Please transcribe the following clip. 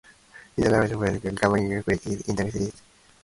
In the last section, Anabis, a galaxy-spanning consciousness, is encountered.